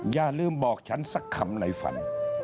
อย่าลืมบอกฉันสักคำในฝัน